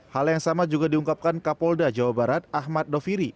hal yang sama juga diungkapkan kapolda jawa barat ahmad doviri